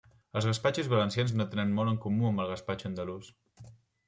Els gaspatxos valencians no tenen molt en comú amb el gaspatxo andalús.